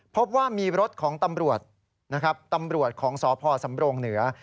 พบว่ามีรถของตำรวจตำรวจของสพสำโล่งเหนือ